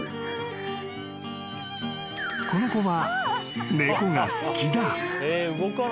［この子は］